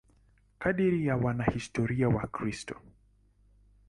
Kadiri ya wanahistoria Wakristo.